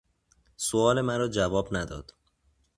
سؤال مرا جواب نداد.